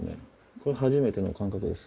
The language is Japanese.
これ初めての感覚です。